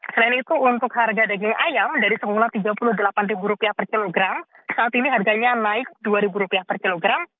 selain itu untuk harga daging ayam dari semula rp tiga puluh delapan per kilogram saat ini harganya naik rp dua per kilogram